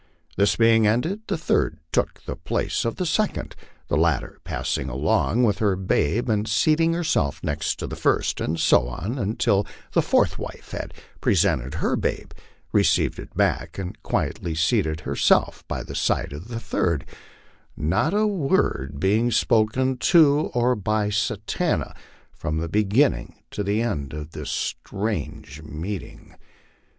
This being ended, the third took the place of the second, the latter passing along with her babe and seating herself next to the first, and so on, until the fourth wife had pre sented her babe, received it back, and quietly seated herself by the side of the third; not a word being spoken to or by Satanta from the beginning to the end of this strange meeting.